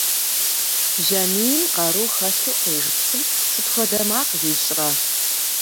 Бжьамийм къару хэлъу къиж псым сыт хуэдэ макъ ищӀрэ?